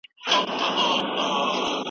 جاسوس نيول سوی او تر فشار لاندې دی.